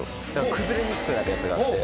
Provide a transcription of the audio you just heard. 崩れにくくなるやつがあって。